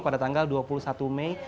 pada tanggal dua puluh satu mei